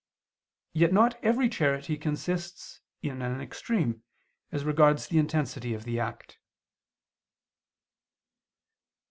Yet not every charity consists in an extreme, as regards the intensity of the act.